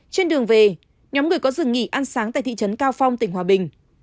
trên đường về nhóm người có rừng nghỉ ăn sáng tại thị trấn cao phong tỉnh hòa bình